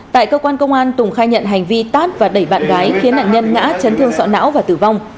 tại cơ quan công an tùng khai nhận hành vi tát và đẩy bạn gái khiến nạn nhân ngã chấn thương sọ não và tử vong